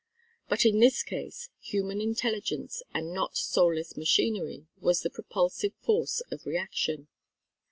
But in this case human intelligence and not soulless machinery was the propulsive force of reaction.